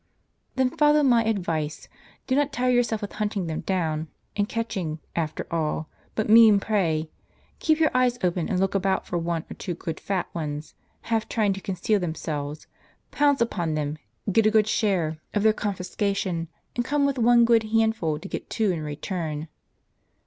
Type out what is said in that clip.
" Then follow my advice. Do not tire yourself with hunt ing them down, and catching, after all, but mean prey ; keep your eyes open and look about for one or two good fat ones, half trying to conceal themselves ; pounce upon them, get a good share of their confiscation, and come with one good handful to get two in return."